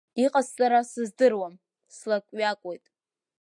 Иҟасҵара сыздырам, слакҩакуеит.